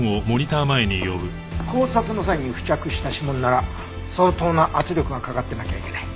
絞殺の際に付着した指紋なら相当な圧力がかかってなきゃいけない。